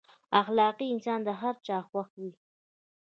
اخلاقي انسان د هر چا خوښ وي.